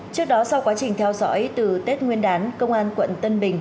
trước đó sau quá trình theo dõi từ tết nguyên đán công an quận tân bình